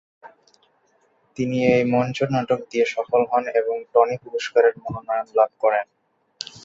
তিনি এই মঞ্চনাটক দিয়ে সফল হন এবং টনি পুরস্কারের মনোনয়ন লাভ করেন।